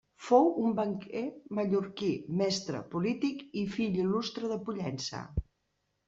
Fou un banquer mallorquí, mestre, polític i fill il·lustre de Pollença.